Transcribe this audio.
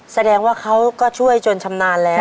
แสดงว่าเขาก็ช่วยจนชำนาญแล้ว